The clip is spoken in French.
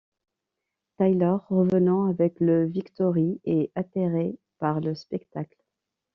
Taylor revenant avec le Victory est atterré par le spectacle.